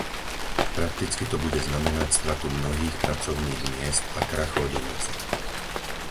Prakticky to bude znamenať stratu mnohých pracovných miest a krach lodenice.